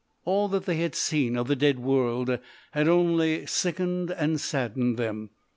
All that they had seen of the Dead World had only sickened and saddened them.